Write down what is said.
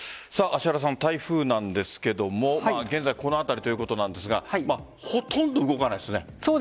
芦原さん、台風ですが現在この辺りということですがほとんど動かないですね。